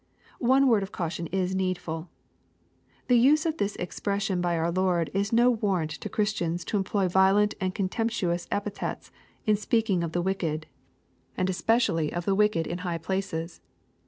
One word of caution is needful. The use of this expression by our Lord is no warrant to Christians to employ violent and ooatemptuoas epithets in speaking of the wioked, and especially LUKE, CHAP. XIII, 143 of the wicked in high places.